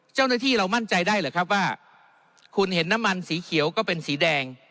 เจ้าหน้าที่เรามั่นใจได้หรือครับว่าคุณเห็นน้ำมันสีเขียวก็เป็นสีแดง